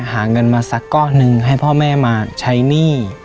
หาเงินมาสักก้อนหนึ่งให้พ่อแม่มาใช้หนี้